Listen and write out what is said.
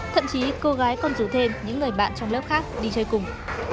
thậm chí cô gái còn rủ thêm những người bạn trong lớp khác đi chơi cùng